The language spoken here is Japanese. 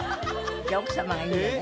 じゃあ奥様がいいのね。